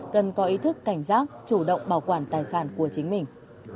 cần có ý thức cảnh giác chủ động bảo quản tài sản của chính mình